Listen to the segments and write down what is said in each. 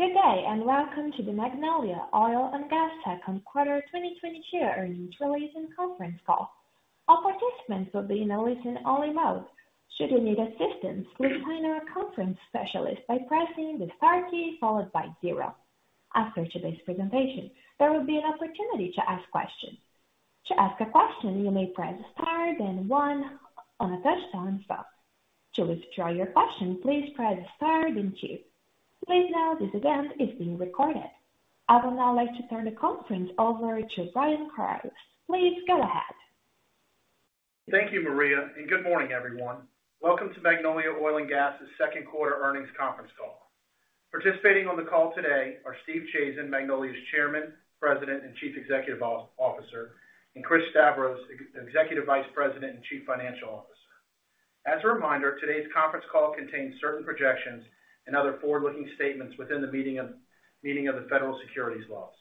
Good day, and welcome to the Magnolia Oil & Gas second quarter 2022 earnings release and conference call. All participants will be in a listen-only mode. Should you need assistance, please find our conference specialist by pressing the star key followed by zero. After today's presentation, there will be an opportunity to ask questions. To ask a question, you may press star, then one on a touchtone phone. To withdraw your question, please press star then two. Please note this event is being recorded. I would now like to turn the conference over to Brian Corales. Please go ahead. Thank you, Maria, and good morning, everyone. Welcome to Magnolia Oil & Gas' second quarter earnings conference call. Participating on the call today are Steve Chazen, Magnolia's Chairman, President, and Chief Executive Officer, and Chris Stavros, Executive Vice President and Chief Financial Officer. As a reminder, today's conference call contains certain projections and other forward-looking statements within the meaning of the federal securities laws.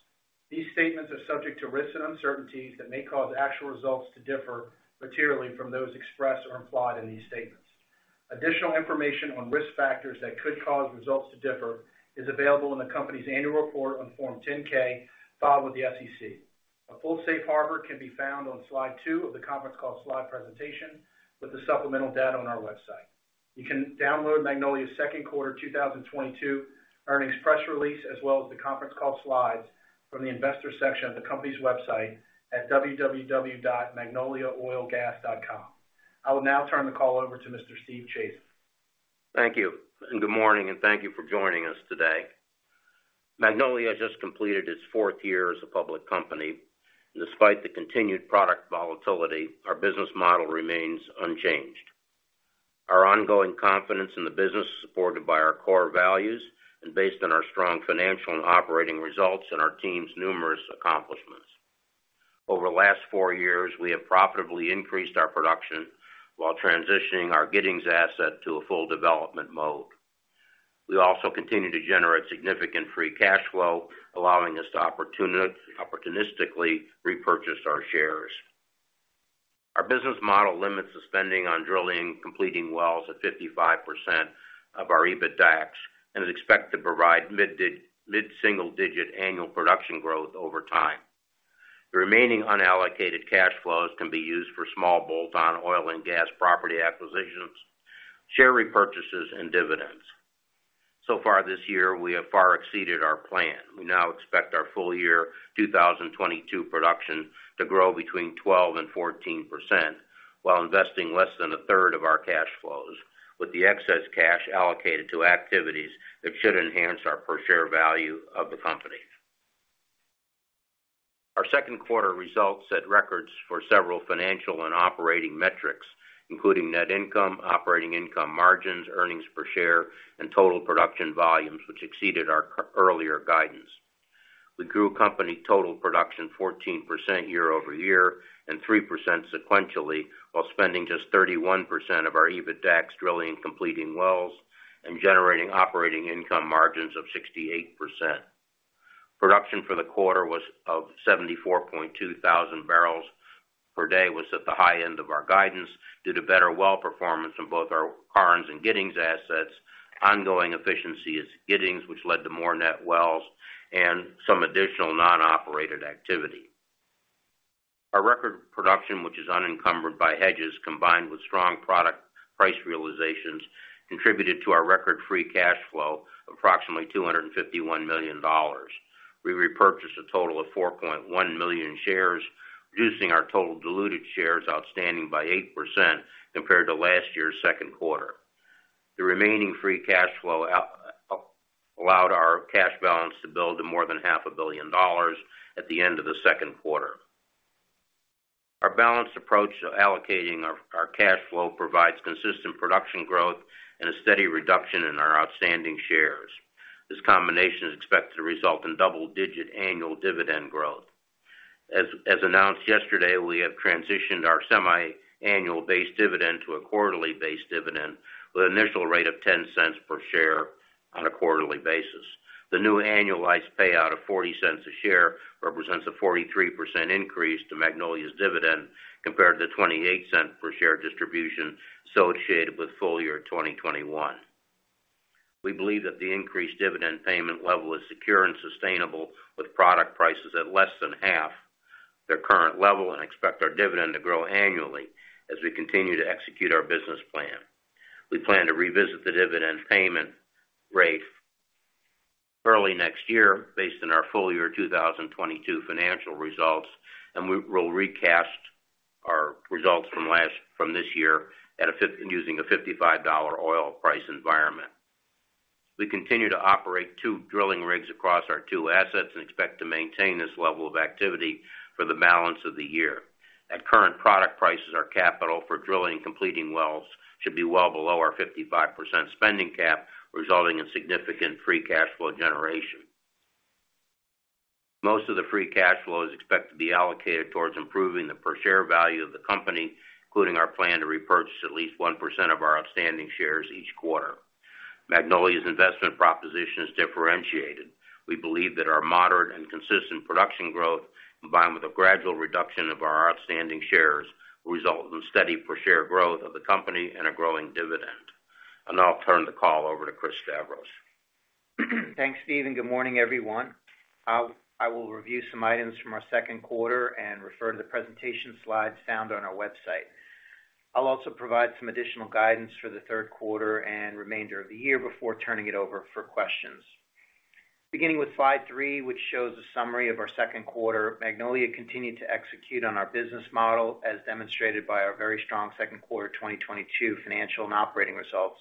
These statements are subject to risks and uncertainties that may cause actual results to differ materially from those expressed or implied in these statements. Additional information on risk factors that could cause results to differ is available in the company's annual report on Form 10-K filed with the SEC. A full safe harbor can be found on slide two of the conference call slide presentation with the supplemental data on our website. You can download Magnolia's second quarter 2022 earnings press release, as well as the conference call slides from the investor section of the company's website at www.magnoliaoilgas.com. I will now turn the call over to Mr. Steve Chazen. Thank you, and good morning, and thank you for joining us today. Magnolia has just completed its fourth year as a public company. Despite the continued product volatility, our business model remains unchanged. Our ongoing confidence in the business is supported by our core values and based on our strong financial and operating results and our team's numerous accomplishments. Over the last four years, we have profitably increased our production while transitioning our Giddings asset to a full development mode. We also continue to generate significant free cash flow, allowing us to opportunistically repurchase our shares. Our business model limits the spending on drilling, completing wells at 55% of our EBITDAX, and is expected to provide mid-single digit annual production growth over time. The remaining unallocated cash flows can be used for small bolt-on oil and gas property acquisitions, share repurchases, and dividends. So far this year, we have far exceeded our plan. We now expect our full year 2022 production to grow between 12% and 14% while investing less than 1/3 of our cash flows, with the excess cash allocated to activities that should enhance our per share value of the company. Our second quarter results set records for several financial and operating metrics, including net income, operating income margins, earnings per share, and total production volumes, which exceeded our earlier guidance. We grew company total production 14% year-over-year and 3% sequentially while spending just 31% of our EBITDAX drilling and completing wells and generating operating income margins of 68%. Production for the quarter was 74, 200 bbl per day at the high end of our guidance due to better well performance in both our Karnes and Giddings assets, ongoing efficiency at Giddings, which led to more net wells and some additional non-operated activity. Our record production, which is unencumbered by hedges, combined with strong product price realizations, contributed to our record free cash flow of approximately $251 million. We repurchased a total of 4.1 million shares, reducing our total diluted shares outstanding by 8% compared to last year's second quarter. The remaining free cash flow allowed our cash balance to build to more than $500,000 at the end of the second quarter. Our balanced approach to allocating our cash flow provides consistent production growth and a steady reduction in our outstanding shares. This combination is expected to result in double-digit annual dividend growth. As announced yesterday, we have transitioned our semi-annual base dividend to a quarterly base dividend with an initial rate of $0.10 per share on a quarterly basis. The new annualized payout of $0.40 per share represents a 43% increase to Magnolia's dividend compared to the $0.28 per share distribution associated with full year 2021. We believe that the increased dividend payment level is secure and sustainable with product prices at less than half their current level, and expect our dividend to grow annually as we continue to execute our business plan. We plan to revisit the dividend payment rate early next year based on our full year 2022 financial results, and we will recast our results from this year using a $55 oil price environment. We continue to operate two drilling rigs across our two assets and expect to maintain this level of activity for the balance of the year. At current product prices, our capital for drilling and completing wells should be well below our 55% spending cap, resulting in significant free cash flow generation. Most of the free cash flow is expected to be allocated towards improving the per share value of the company, including our plan to repurchase at least 1% of our outstanding shares each quarter. Magnolia's investment proposition is differentiated. We believe that our moderate and consistent production growth, combined with a gradual reduction of our outstanding shares, will result in steady per share growth of the company and a growing dividend. I'll now turn the call over to Chris Stavros. Thanks, Steve, and good morning, everyone. I will review some items from our second quarter and refer to the presentation slides found on our website. I'll also provide some additional guidance for the third quarter and remainder of the year before turning it over for questions. Beginning with slide three, which shows a summary of our second quarter, Magnolia continued to execute on our business model, as demonstrated by our very strong second quarter 2022 financial and operating results.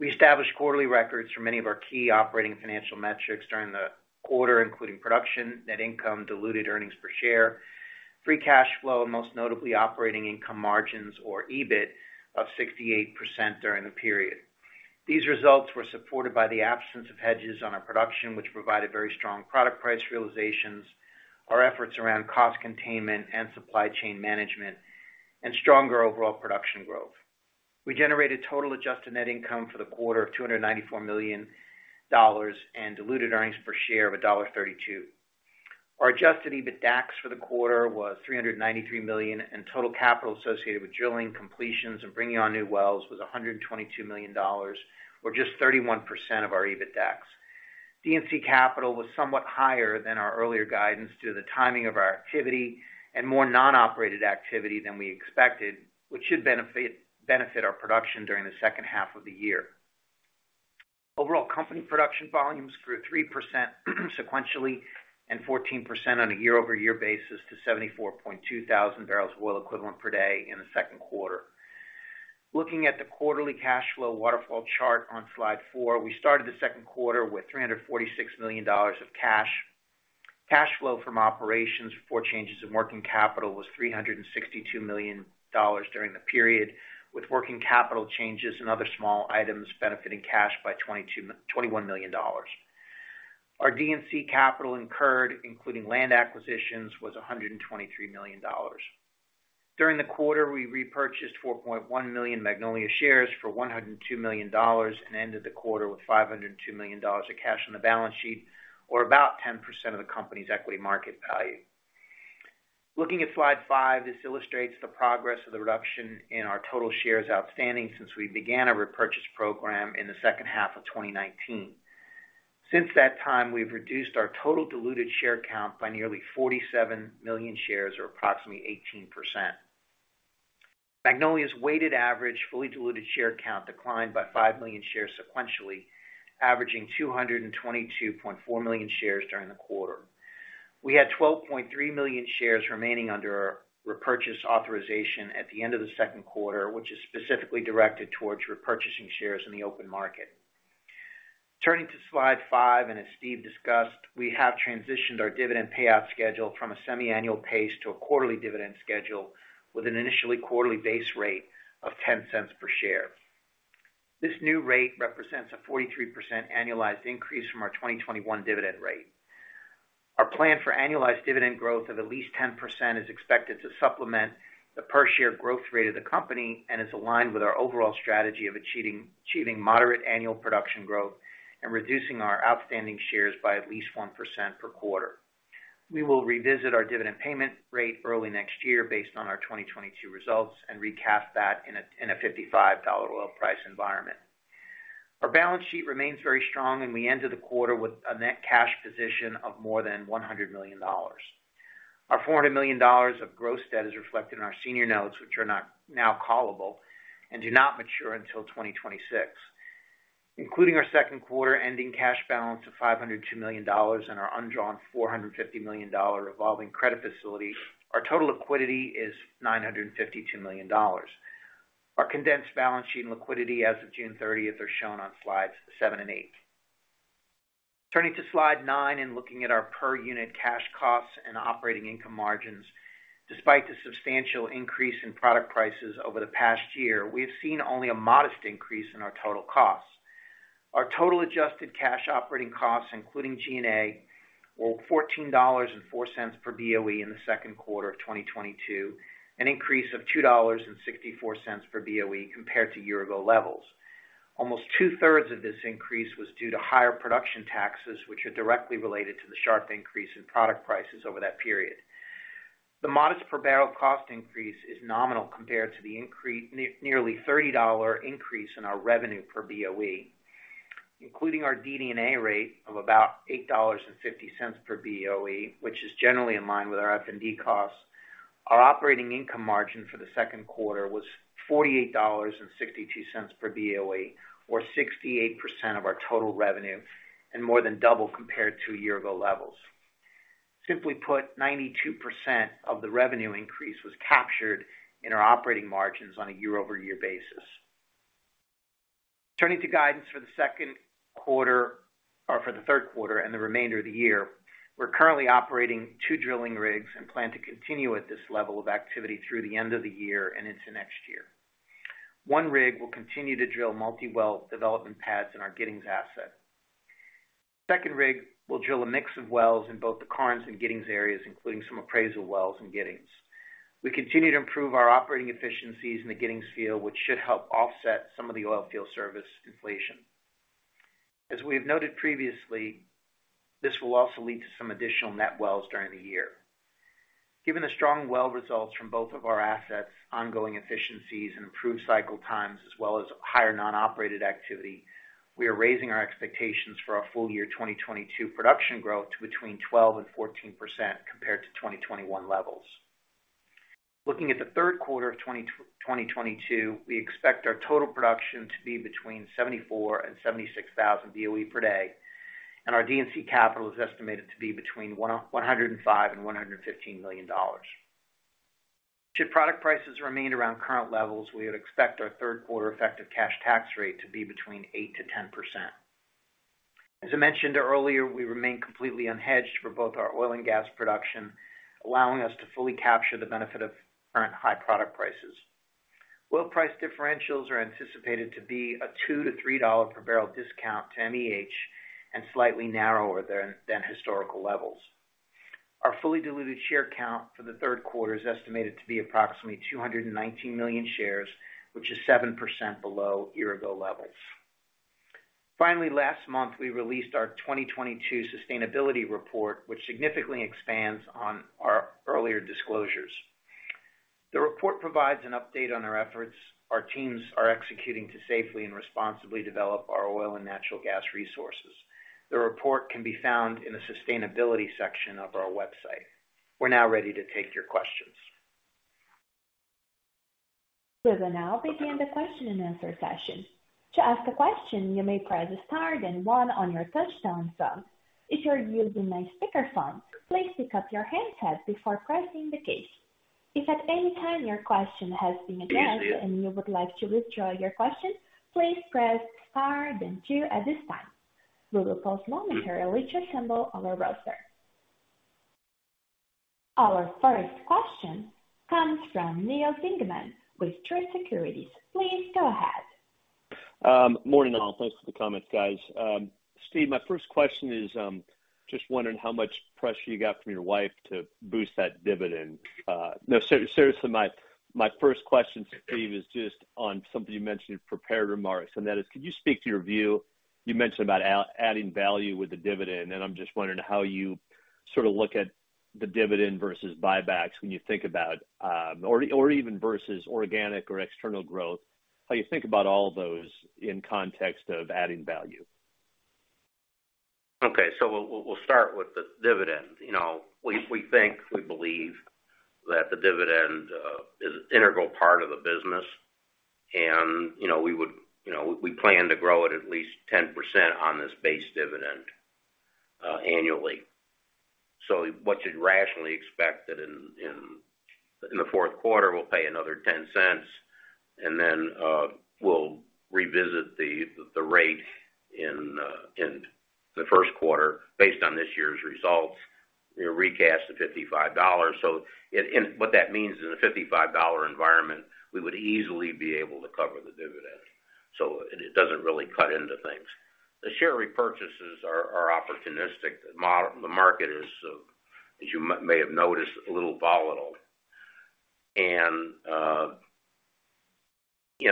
We established quarterly records for many of our key operating and financial metrics during the quarter, including production, net income, diluted earnings per share, free cash flow, and most notably, operating income margins or EBIT of 68% during the period. These results were supported by the absence of hedges on our production, which provided very strong product price realizations, our efforts around cost containment and supply chain management, and stronger overall production growth. We generated total adjusted net income for the quarter of $294 million and diluted earnings per share of $1.32. Our adjusted EBITDAX for the quarter was $393 million, and total capital associated with drilling completions and bringing on new wells was $122 million, or just 31% of our EBITDAX. D&C capital was somewhat higher than our earlier guidance due to the timing of our activity and more non-operated activity than we expected, which should benefit our production during the second half of the year. Overall, company production volumes grew 3% sequentially and 14% on a year-over-year basis to 74,200 bbl of oil equivalent per day in the second quarter. Looking at the quarterly cash flow waterfall chart on slide four, we started the second quarter with $346 million of cash. Cash flow from operations before changes in working capital was $362 million during the period, with working capital changes and other small items benefiting cash by $21 million. Our D&C capital incurred, including land acquisitions, was $123 million. During the quarter, we repurchased 4.1 million Magnolia shares for $102 million and ended the quarter with $502 million of cash on the balance sheet, or about 10% of the company's equity market value. Looking at slide five, this illustrates the progress of the reduction in our total shares outstanding since we began our repurchase program in the second half of 2019. Since that time, we've reduced our total diluted share count by nearly 47 million shares, or approximately 18%. Magnolia's weighted average fully diluted share count declined by 5 million shares sequentially, averaging 222.4 million shares during the quarter. We had 12.3 million shares remaining under our repurchase authorization at the end of the second quarter, which is specifically directed towards repurchasing shares in the open market. Turning to slide five, as Steve discussed, we have transitioned our dividend payout schedule from a semi-annual pace to a quarterly dividend schedule with an initially quarterly base rate of $0.10 per share. This new rate represents a 43% annualized increase from our 2021 dividend rate. Our plan for annualized dividend growth of at least 10% is expected to supplement the per share growth rate of the company and is aligned with our overall strategy of achieving moderate annual production growth and reducing our outstanding shares by at least 1% per quarter. We will revisit our dividend payment rate early next year based on our 2022 results and recast that in a $55 oil price environment. Our balance sheet remains very strong, and we ended the quarter with a net cash position of more than $100 million. Our $400 million of gross debt is reflected in our senior notes, which are not now callable and do not mature until 2026. Including our second quarter ending cash balance of $502 million and our undrawn $450 million revolving credit facility, our total liquidity is $952 million. Our condensed balance sheet and liquidity as of June 30 are shown on slides seven and eight. Turning to slide nine and looking at our per unit cash costs and operating income margins. Despite the substantial increase in product prices over the past year, we have seen only a modest increase in our total costs. Our total adjusted cash operating costs, including G&A, were $14.04 per BOE in the second quarter of 2022, an increase of $2.64 per BOE compared to year-ago levels. Almost 2/3 of this increase was due to higher production taxes, which are directly related to the sharp increase in product prices over that period. The modest per barrel cost increase is nominal compared to the nearly $30 increase in our revenue per BOE. Including our DD&A rate of about $8.50 per BOE, which is generally in line with our F&D costs, our operating income margin for the second quarter was $48.62 per BOE, or 68% of our total revenue and more than double compared to year-ago levels. Simply put, 92% of the revenue increase was captured in our operating margins on a year-over-year basis. Turning to guidance for the second quarter or for the third quarter and the remainder of the year. We're currently operating two drilling rigs and plan to continue at this level of activity through the end of the year and into next year. One rig will continue to drill multi-well development pads in our Giddings asset. Second rig will drill a mix of wells in both the Karnes and Giddings areas, including some appraisal wells in Giddings. We continue to improve our operating efficiencies in the Giddings field, which should help offset some of the oil field service inflation. As we have noted previously, this will also lead to some additional net wells during the year. Given the strong well results from both of our assets, ongoing efficiencies, and improved cycle times, as well as higher non-operated activity, we are raising our expectations for our full year 2022 production growth to between 12% and 14% compared to 2021 levels. Looking at the third quarter of 2022, we expect our total production to be between 74,000 and 76,000 BOE per day, and our D&C capital is estimated to be between $105 million and $115 million. Should product prices remain around current levels, we would expect our third quarter effective cash tax rate to be between 8%-10%. As I mentioned earlier, we remain completely unhedged for both our oil and gas production, allowing us to fully capture the benefit of current high product prices. Oil price differentials are anticipated to be a $2-$3 per barrel discount to MEH and slightly narrower than historical levels. Our fully diluted share count for the third quarter is estimated to be approximately 219 million shares, which is 7% below year-ago levels. Finally, last month, we released our 2022 sustainability report, which significantly expands on our earlier disclosures. The report provides an update on our efforts, our teams are executing to safely and responsibly develop our oil and natural gas resources. The report can be found in the Sustainability section of our website. We're now ready to take your questions. We will now begin the question and answer session. To ask a question, you may press star then one on your touchtone phone. If you are using a speakerphone, please pick up your handset before pressing the keys. If at any time your question has been addressed and you would like to withdraw your question, please press star then two at this time. We will pause momentarily to assemble our roster. Our first question comes from Neal Dingmann with Truist Securities. Please go ahead. Morning all. Thanks for the comments, guys. Steve, my first question is just wondering how much pressure you got from your wife to boost that dividend. No, seriously, my first question, Steve, is just on something you mentioned in prepared remarks, and that is, could you speak to your view. You mentioned about adding value with the dividend, and I'm just wondering how you sort of look at the dividend versus buybacks when you think about or even versus organic or external growth, how you think about all of those in context of adding value. Okay. We'll start with the dividend. You know, we think, we believe that the dividend is an integral part of the business, and you know, we plan to grow it at least 10% on this base dividend annually. What you'd rationally expect that in the fourth quarter, we'll pay another $0.10, and then we'll revisit the rate in the first quarter based on this year's results. It would recast to $55. What that means in a $55 environment, we would easily be able to cover the dividend. It doesn't really cut into things. The share repurchases are opportunistic. The market is, as you may have noticed, a little volatile. You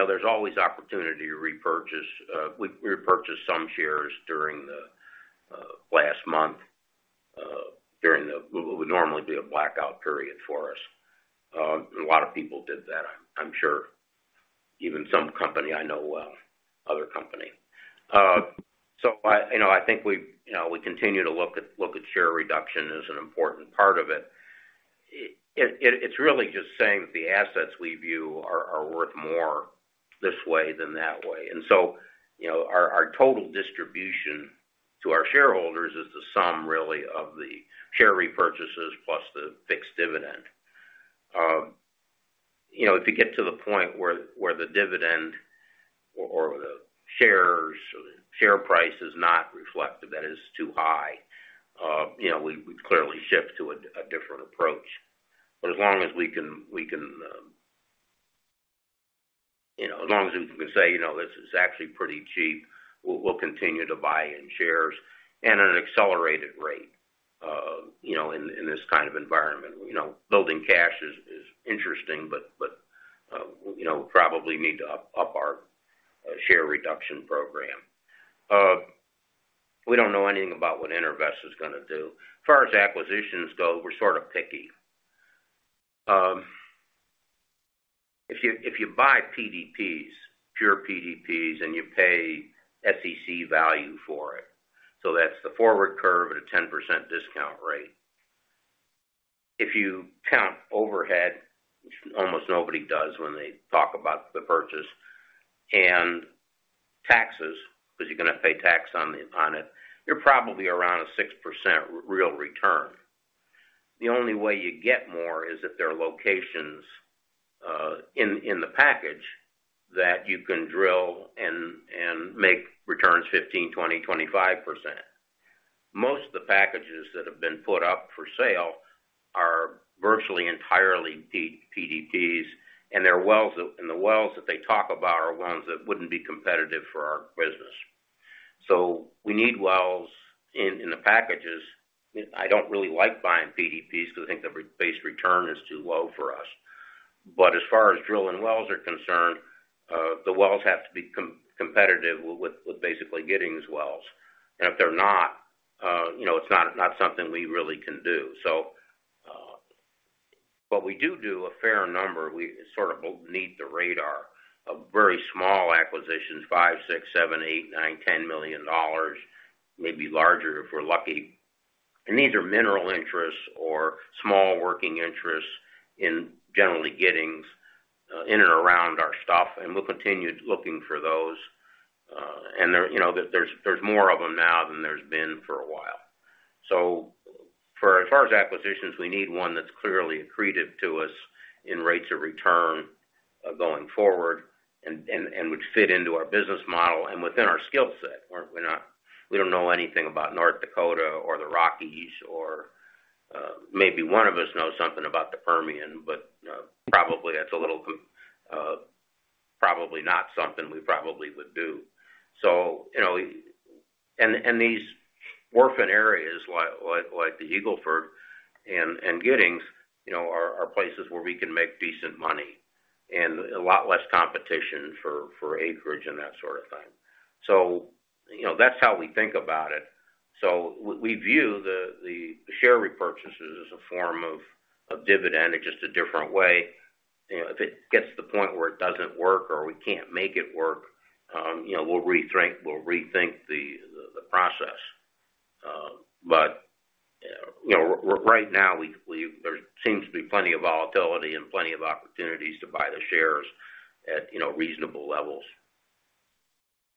know, there's always opportunity to repurchase. We repurchased some shares during the last month during what would normally be a blackout period for us. A lot of people did that, I'm sure. Even some company I know well, other company. I think we continue to look at share reduction as an important part of it. It's really just saying that the assets we view are worth more this way than that way. You know, our total distribution to our shareholders is the sum really of the share repurchases plus the fixed dividend. You know, if you get to the point where the dividend or the shares or the share price is not reflective, that is too high, you know, we would clearly shift to a different approach. As long as we can say, you know, this is actually pretty cheap, we'll continue to buy in shares at an accelerated rate, you know, in this kind of environment. You know, building cash is interesting, but you know, probably need to up our share reduction program. We don't know anything about what EnerVest is gonna do. As far as acquisitions go, we're sort of picky. If you buy PDPs, pure PDPs, and you pay SEC value for it, so that's the forward curve at a 10% discount rate. If you count overhead, which almost nobody does when they talk about the purchase, and taxes, because you're gonna pay tax on it, you're probably around a 6% real return. The only way you get more is if there are locations in the package that you can drill and make returns 15%, 20%, 25%. Most of the packages that have been put up for sale are virtually entirely PDPs, and their wells, and the wells that they talk about are ones that wouldn't be competitive for our business. We need wells in the packages. I don't really like buying PDPs because I think the rebased return is too low for us. As far as drilling wells are concerned, the wells have to be competitive with basically Giddings wells. If they're not, you know, it's not something we really can do. We do a fair number. We sort of beneath the radar of very small acquisitions, $5 million $6 million, $7 million, $8 million, $9 million, $10 million, maybe larger if we're lucky. These are mineral interests or small working interests in generally Giddings, in and around our stuff, and we'll continue looking for those. You know, there's more of them now than there's been for a while. As far as acquisitions, we need one that's clearly accretive to us in rates of return going forward and would fit into our business model and within our skill set. We don't know anything about North Dakota or the Rockies, or maybe one of us knows something about the Permian, but probably that's a little probably not something we probably would do. You know, and these orphan areas like the Eagle Ford and Giddings, you know, are places where we can make decent money and a lot less competition for acreage and that sort of thing. You know, that's how we think about it. We view the share repurchases as a form of dividend in just a different way. You know, if it gets to the point where it doesn't work or we can't make it work, you know, we'll rethink the process. You know, right now, there seems to be plenty of volatility and plenty of opportunities to buy the shares at, you know, reasonable levels.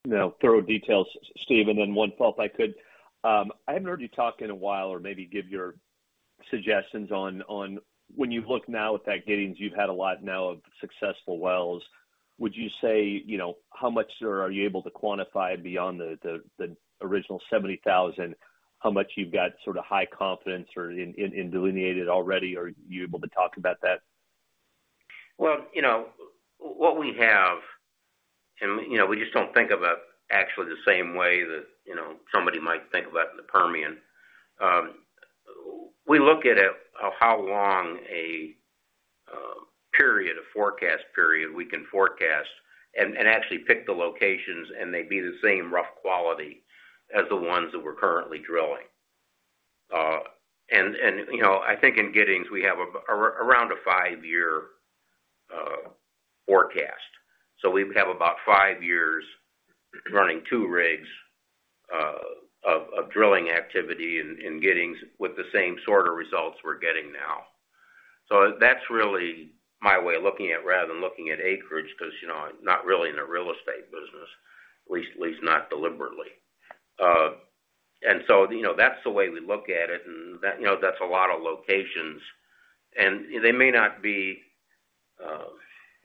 Now, through details, Steve, and then one thought if I could. I haven't heard you talk in a while or maybe give your suggestions on when you look now at that Giddings, you've had a lot now of successful wells. Would you say, you know, how much are you able to quantify beyond the original 70,000 acre? How much you've got sort of high confidence or in delineated already? Are you able to talk about that? Well, you know, what we have, and you know, we just don't think of it actually the same way that, you know, somebody might think about the Permian. We look at it of how long a period, a forecast period we can forecast and actually pick the locations, and they'd be the same rough quality as the ones that we're currently drilling. You know, I think in Giddings, we have around a five-year forecast. We would have about five years running two rigs of drilling activity in Giddings with the same sort of results we're getting now. That's really my way of looking at rather than looking at acreage because, you know, I'm not really in the real estate business, at least not deliberately. You know, that's the way we look at it. That, you know, that's a lot of locations. They may not be,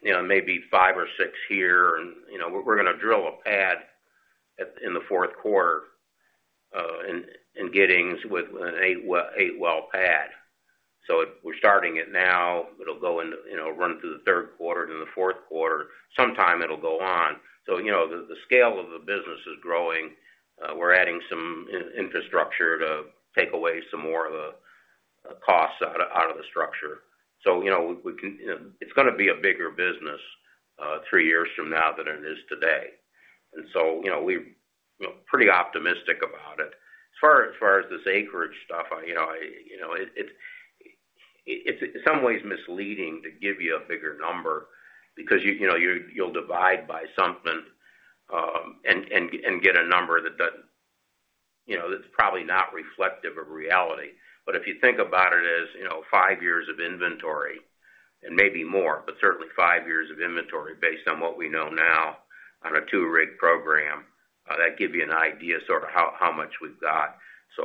you know, maybe five or six here. You know, we're gonna drill a pad in the fourth quarter in Giddings with an eight-well pad. We're starting it now. It'll go into, you know, run through the third quarter, then the fourth quarter. So it'll go on. You know, the scale of the business is growing. We're adding some infrastructure to take away some more of the costs out of the structure. You know, we can. It's gonna be a bigger business three years from now than it is today. You know, we're pretty optimistic about it. As far as this acreage stuff, you know, it's in some ways misleading to give you a bigger number because you know, you'll divide by something, and get a number that doesn't, you know, that's probably not reflective of reality. If you think about it as, you know, five years of inventory and maybe more, but certainly five years of inventory based on what we know now on a two-rig program, that give you an idea sort of how much we've got.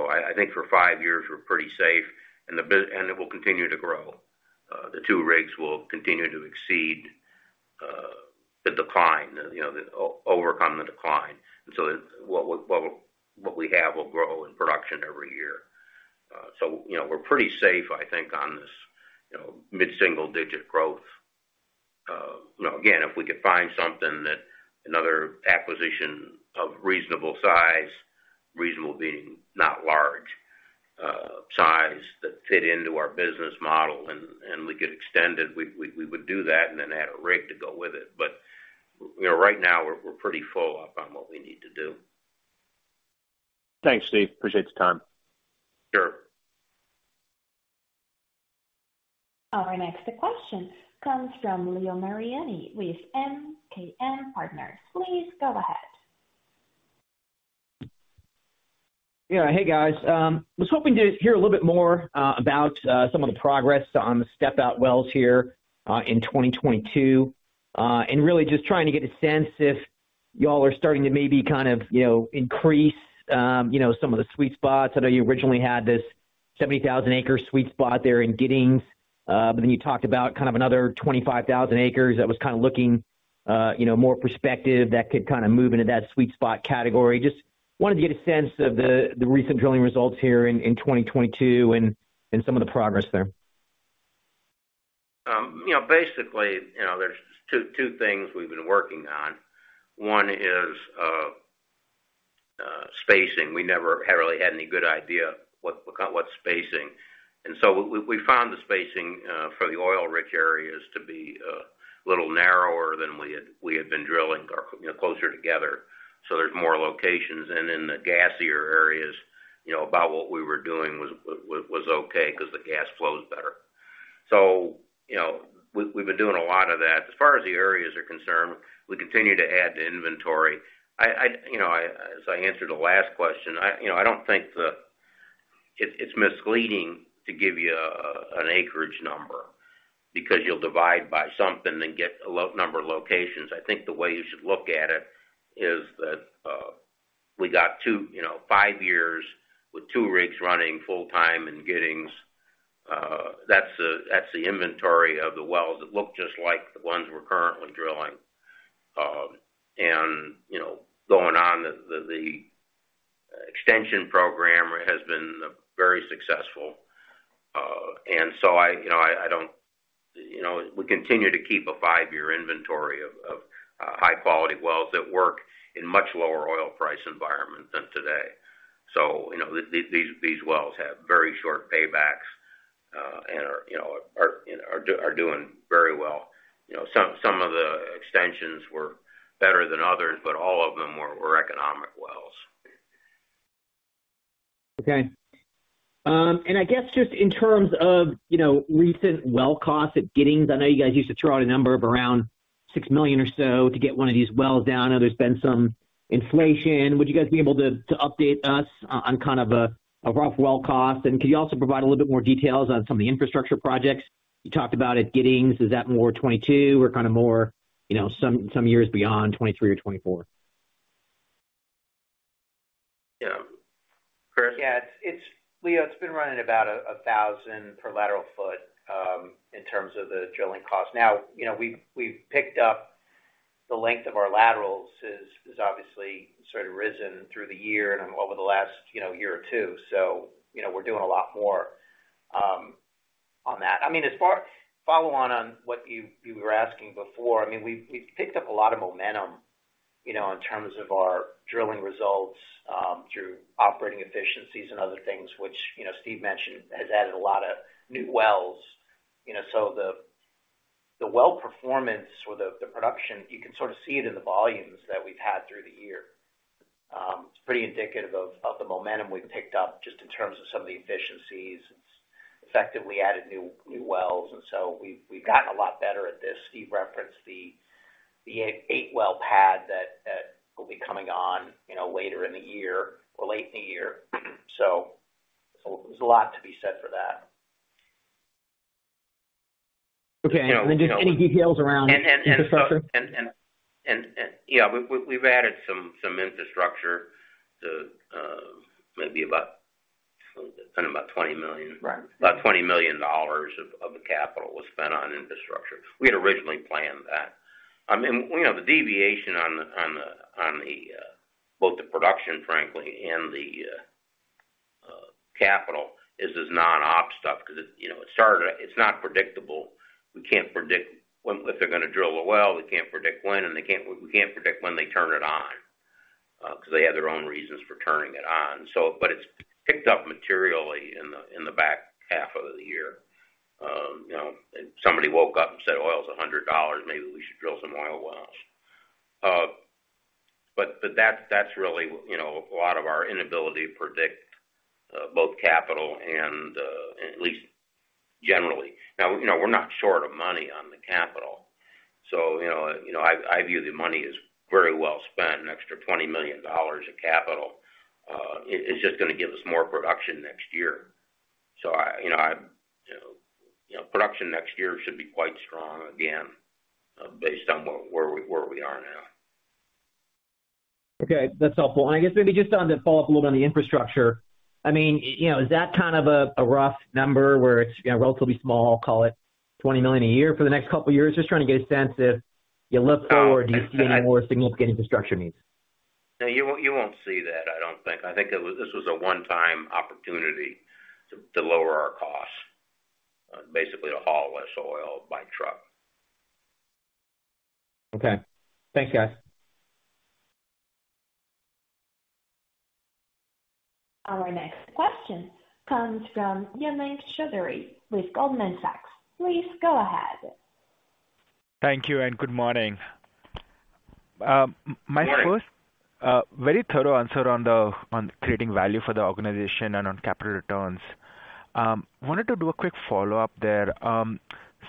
I think for five years, we're pretty safe, and it will continue to grow. The two rigs will continue to exceed the decline, you know, overcome the decline. What we have will grow in production every year. You know, we're pretty safe, I think, on this, you know, mid-single digit growth. You know, again, if we could find something that another acquisition of reasonable size, reasonable being not large, size that fit into our business model and we could extend it, we would do that and then add a rig to go with it. You know, right now, we're pretty full up on what we need to do. Thanks, Steve. Appreciate the time. Sure. Our next question comes from Leo Mariani with MKM Partners. Please go ahead. Yeah. Hey, guys. Was hoping to hear a little bit more about some of the progress on the step-out wells here in 2022. Really just trying to get a sense if y'all are starting to maybe kind of, you know, increase some of the sweet spots. I know you originally had this 70,000 acre sweet spot there in Giddings, but then you talked about kind of another 25,000 acres that was kinda looking, you know, more prospective that could kinda move into that sweet spot category. Just wanted to get a sense of the recent drilling results here in 2022 and some of the progress there. You know, basically, you know, there's two things we've been working on. One is spacing. We never have really had any good idea what kind of spacing. We found the spacing for the oil-rich areas to be a little narrower than we had been drilling, you know, closer together. There's more locations. In the gassier areas, you know, about what we were doing was okay because the gas flows better. You know, we've been doing a lot of that. As far as the areas are concerned, we continue to add to inventory. You know, as I answered the last question, you know, I don't think the It's misleading to give you an acreage number because you'll divide by something, then get a low number of locations. I think the way you should look at it is that we got two, you know, five years with two rigs running full time in Giddings. That's the inventory of the wells that look just like the ones we're currently drilling. Going on the extension program has been very successful. We continue to keep a five-year inventory of high quality wells that work in much lower oil price environment than today. You know, these wells have very short paybacks and are doing very well. You know, some of the extensions were better than others, but all of them were economic wells. Okay. I guess just in terms of, you know, recent well costs at Giddings, I know you guys used to throw out a number of around $6 million or so to get one of these wells down. I know there's been some inflation. Would you guys be able to to update us on kind of a rough well cost? And could you also provide a little bit more details on some of the infrastructure projects you talked about at Giddings? Is that more 2022 or kind of more, you know, some years beyond, 2023 or 2024? Yeah. Chris? Yeah, it's Leo, it's been running about $1,000 per lateral ft in terms of the drilling cost. Now, you know, we've picked up the length of our laterals is obviously sort of risen through the year and over the last year or two. You know, we're doing a lot more on that. I mean, follow on what you were asking before, I mean, we've picked up a lot of momentum, you know, in terms of our drilling results through operating efficiencies and other things which, you know, Steve mentioned, has added a lot of new wells. You know, the well performance or the production, you can sort of see it in the volumes that we've had through the year. It's pretty indicative of the momentum we've picked up just in terms of some of the efficiencies. It's effectively added new wells, and so we've gotten a lot better at this. Steve referenced the eight well pad that will be coming on, you know, later in the year or late in the year. There's a lot to be said for that. Okay. Just any details around infrastructure? Yeah, we've added some infrastructure to maybe about spending about $20 million. Right. About $20 million of the capital was spent on infrastructure. We had originally planned that. I mean, you know, the deviation on both the production, frankly, and the capital is this non-op stuff because it's, you know, not predictable. We can't predict when, if they're gonna drill a well, we can't predict when, and we can't predict when they turn it on, 'cause they have their own reasons for turning it on. It's picked up materially in the back half of the year. You know, somebody woke up and said, "Oil is $100. Maybe we should drill some oil wells." That's really, you know, a lot of our inability to predict both capital and at least generally. Now, you know, we're not short of money on the capital. You know, I view the money as very well spent, an extra $20 million of capital. It's just gonna give us more production next year. You know, production next year should be quite strong again, based on where we are now. Okay, that's helpful. I guess maybe just on the follow up a little bit on the infrastructure. I mean, you know, is that kind of a rough number where it's, you know, relatively small, call it $20 million a year for the next couple of years? Just trying to get a sense if you look forward, do you see any more significant infrastructure needs? No, you won't see that, I don't think. I think this was a one-time opportunity to lower our costs, basically to haul less oil by truck. Okay. Thanks, guys. Our next question comes from Umang Choudhary with Goldman Sachs. Please go ahead. Thank you, and good morning. Good morning. Very thorough answer on creating value for the organization and on capital returns. Wanted to do a quick follow-up there.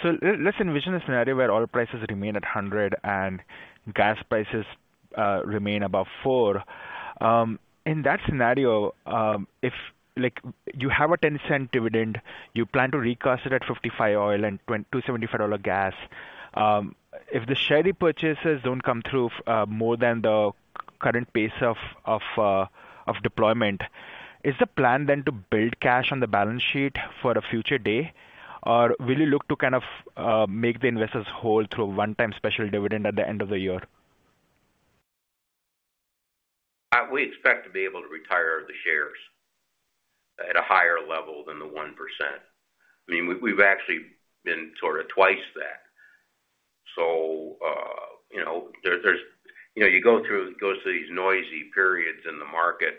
Let's envision a scenario where oil prices remain at $100 and gas prices remain above $4. In that scenario, if, like, you have a $0.10 dividend, you plan to recast it at $55 oil and $2.75 gas. If the share repurchases don't come through more than the current pace of deployment, is the plan then to build cash on the balance sheet for a future day? Or will you look to kind of make the investors whole through a one-time special dividend at the end of the year? We expect to be able to retire the shares at a higher level than the 1%. I mean, we've actually been sort of twice that. You know, there are these noisy periods in the market,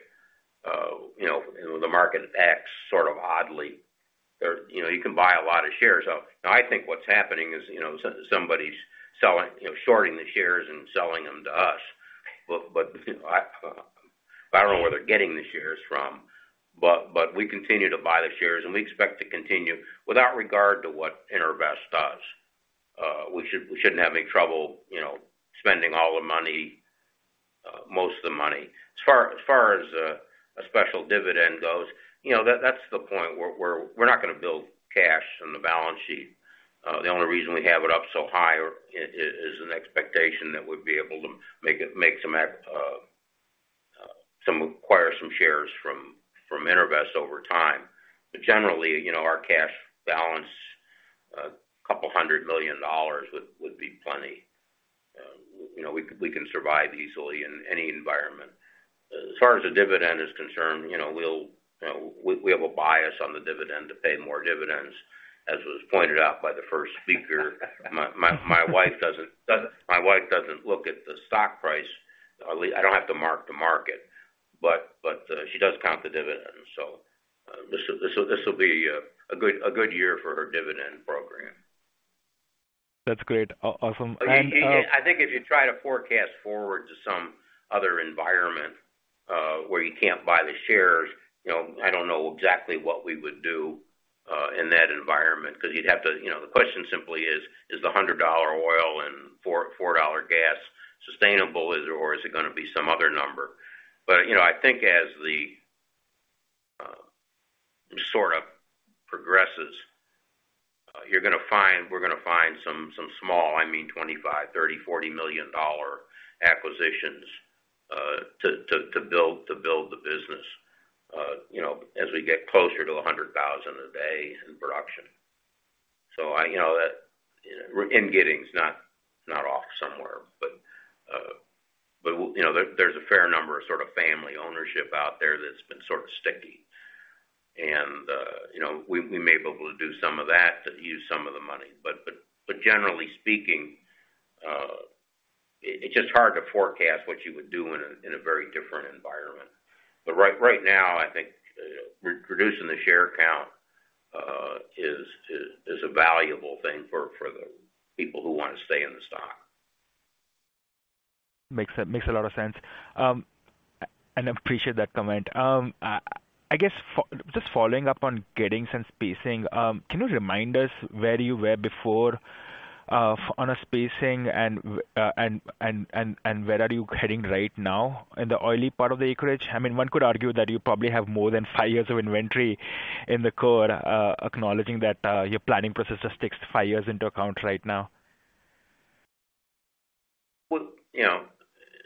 you know, the market acts sort of oddly. You know, you can buy a lot of shares. I think what's happening is, you know, somebody's selling, you know, shorting the shares and selling them to us. You know, but I don't know where they're getting the shares from. We continue to buy the shares, and we expect to continue without regard to what EnerVest does. We shouldn't have any trouble, you know, spending all the money, most of the money. As far as a special dividend goes, you know, that's the point where we're not gonna build cash on the balance sheet. The only reason we have it up so high is an expectation that we'd be able to acquire some shares from EnerVest over time. Generally, you know, our cash balance a couple hundred million would be plenty. You know, we can survive easily in any environment. As far as the dividend is concerned, you know, we have a bias on the dividend to pay more dividends. As was pointed out by the first speaker, my wife doesn't look at the stock price. I don't have to mark the market, but she does count the dividends. This will be a good year for her dividend program. That's great. Awesome. I think if you try to forecast forward to some other environment, where you can't buy the shares, you know, I don't know exactly what we would do in that environment, 'cause you'd have to. You know, the question simply is the $100 oil and $4 gas sustainable, or is it gonna be some other number? You know, I think as the story progresses, you're gonna find we're gonna find some small, I mean, $25 million, $30 million, $40 million acquisitions to build the business, you know, as we get closer to 100,000 a day in production. You know that in Giddings not off somewhere. You know, there's a fair number of sort of family ownership out there that's been sort of sticky. You know, we may be able to do some of that to use some of the money. Generally speaking, it's just hard to forecast what you would do in a very different environment. Right now, I think reducing the share count is a valuable thing for the people who want to stay in the stock. Makes a lot of sense. I appreciate that comment. I guess just following up on getting some spacing, can you remind us where you were before, on a spacing and where are you heading right now in the oily part of the acreage? I mean, one could argue that you probably have more than five years of inventory in the core, acknowledging that, your planning process just takes five years into account right now. Well, you know,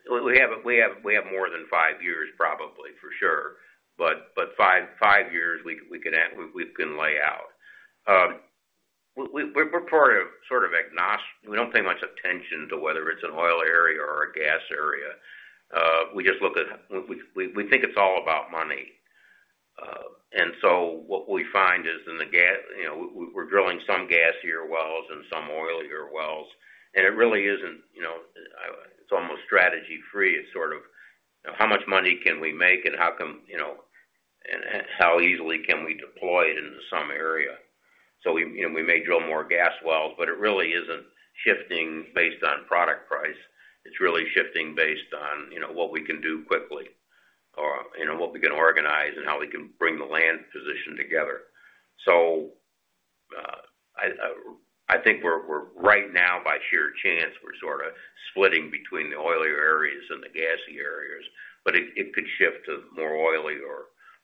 we have more than five years probably, for sure. Five years we can lay out. We don't pay much attention to whether it's an oil area or a gas area. We just look at. We think it's all about money. What we find is in the gas. You know, we're drilling some gassier wells and some oilier wells, and it really isn't. You know, it's almost strategy free. It's sort of, you know, how much money can we make and how easily can we deploy it into some area? You know, we may drill more gas wells, but it really isn't shifting based on product price. It's really shifting based on, you know, what we can do quickly or, you know, what we can organize and how we can bring the land position together. I think we're right now, by sheer chance, we're sort of splitting between the oilier areas and the gassier areas, but it could shift to more oily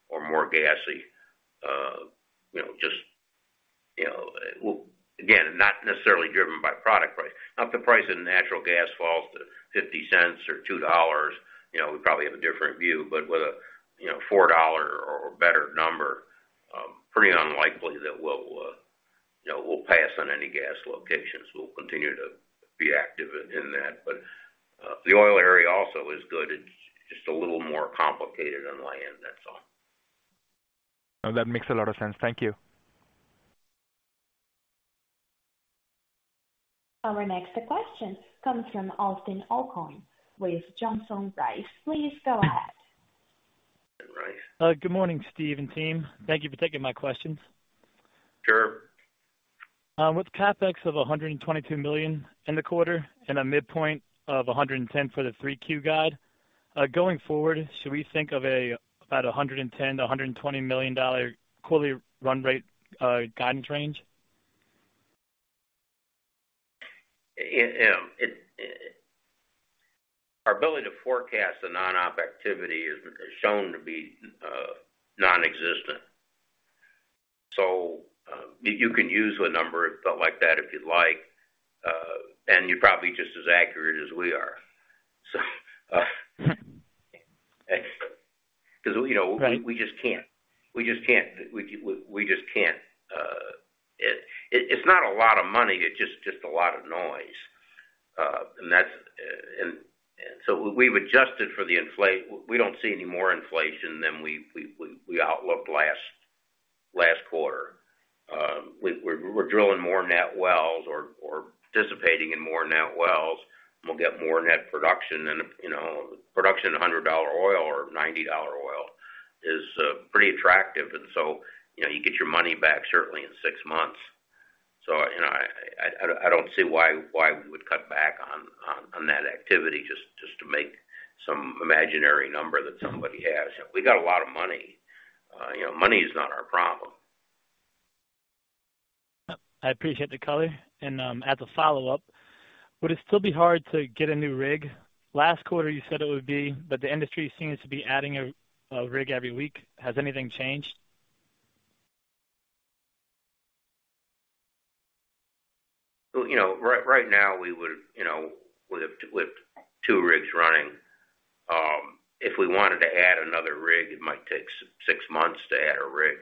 or more gassy. Again, not necessarily driven by product price. Now, if the price of natural gas falls to $0.50 or $2, you know, we probably have a different view, but with a, you know, $4 or better number, pretty unlikely that we'll, you know, we'll pass on any gas locations. We'll continue to be active in that. The oil area also is good. It's just a little more complicated on land, that's all. No, that makes a lot of sense. Thank you. Our next question comes from Austin Aucoin with Johnson Rice. Please go ahead. Johnson Rice. Good morning, Steve and team. Thank you for taking my questions. Sure. With CapEx of $122 million in the quarter and a midpoint of $110 million for the 3Q guide, going forward, should we think of about $110 million-$120 million dollar quarterly run rate guidance range? Our ability to forecast the non-op activity is shown to be non-existent. You can use a number like that if you'd like, and you're probably just as accurate as we are. 'Cause, you know. Right. We just can't. It's not a lot of money, it's just a lot of noise. We've adjusted for the inflation. We don't see any more inflation than we outlined last quarter. We're drilling more net wells or participating in more net wells. We'll get more net production and, you know, production at $100 oil or $90 oil is pretty attractive. You know, you get your money back certainly in six months. You know, I don't see why we would cut back on that activity just to make some imaginary number that somebody has. We got a lot of money. You know, money is not our problem. I appreciate the color. As a follow-up, would it still be hard to get a new rig? Last quarter, you said it would be, but the industry seems to be adding a rig every week. Has anything changed? Well, you know, right now we would, you know, with two rigs running, if we wanted to add another rig, it might take six months to add a rig.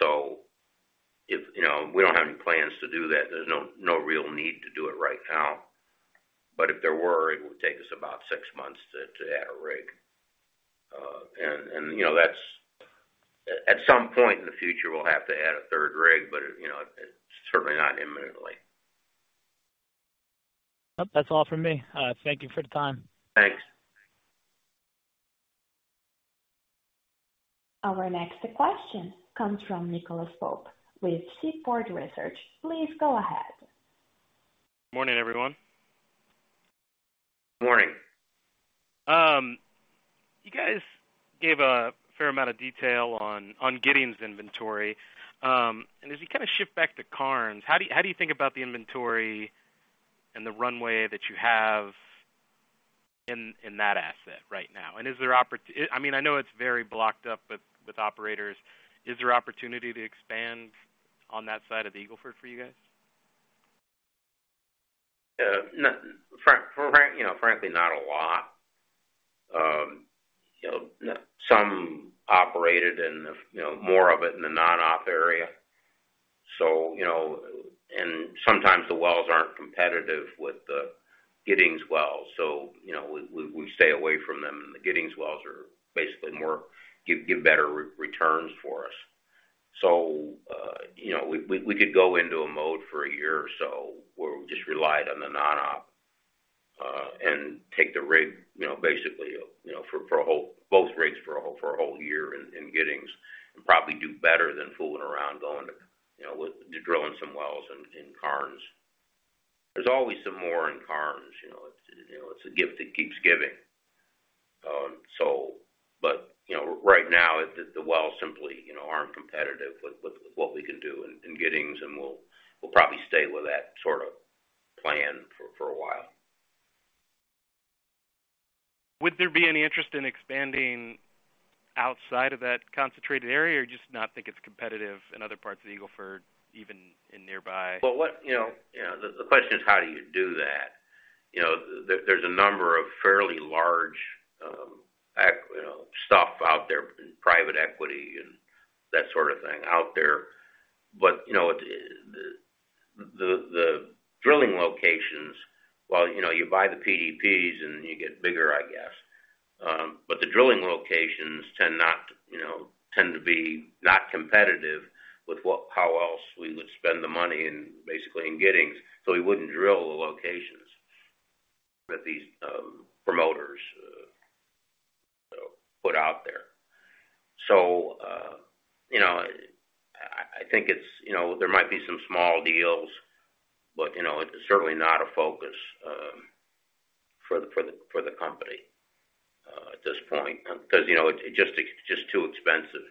So if you know, we don't have any plans to do that. There's no real need to do it right now. But if there were, it would take us about six months to add a rig. And you know, that's at some point in the future, we'll have to add a third rig, but you know, it's certainly not imminently. That's all from me. Thank you for the time. Thanks. Our next question comes from Nicholas Pope with Seaport Research. Please go ahead. Morning, everyone. Morning. You guys gave a fair amount of detail on Giddings inventory. As you kinda shift back to Karnes, how do you think about the inventory and the runway that you have in that asset right now? I mean, I know it's very blocked up with operators. Is there opportunity to expand on that side of the Eagle Ford for you guys? No. Frankly, not a lot. You know, some operated in the, you know, more of it in the non-op area. Sometimes the wells aren't competitive with the Giddings wells. You know, we stay away from them, and the Giddings wells are basically more give better returns for us. You know, we could go into a mode for a year or so where we just relied on the non-op, and take the rig, you know, basically, you know, both rigs for a whole year in Giddings, and probably do better than fooling around going to drilling some wells in Karnes. There's always some more in Karnes. You know, it's a gift that keeps giving. So. You know, right now, the wells simply, you know, aren't competitive with what we can do in Giddings, and we'll probably stay with that sort of plan for a while. Would there be any interest in expanding outside of that concentrated area, or just not think it's competitive in other parts of Eagle Ford, even in nearby? Well, you know. The question is how do you do that? You know, there's a number of fairly large you know, stuff out there in private equity and that sort of thing out there. You know, the drilling locations, while you know, you buy the PDPs and you get bigger, I guess, but the drilling locations tend to be not competitive with how else we would spend the money in, basically in Giddings, so we wouldn't drill the locations that these promoters put out there. You know, I think it's you know, there might be some small deals, but you know, it's certainly not a focus for the company at this point because you know, it's just too expensive.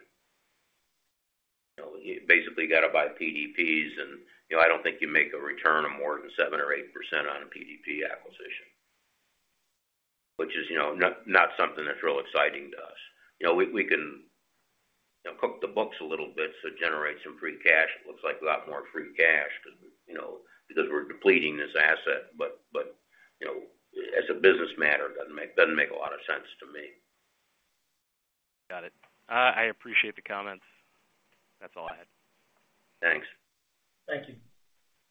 You know, you basically got to buy PDPs and, you know, I don't think you make a return of more than 7% or 8% on a PDP acquisition, which is, you know, not something that's real exciting to us. You know, we can, you know, cook the books a little bit, so generate some free cash. It looks like a lot more free cash because, you know, because we're depleting this asset. You know, as a business matter, it doesn't make a lot of sense to me. Got it. I appreciate the comments. That's all I had. Thanks. Thank you.